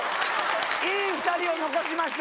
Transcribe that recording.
いい２人を残しました。